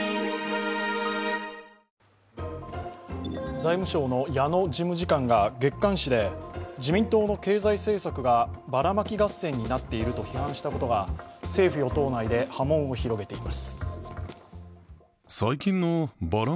財務省の矢野事務次官が月刊誌で自民党の経済政策がばらまき合戦になっていると批判したことが政府・与党内で波紋を広げています。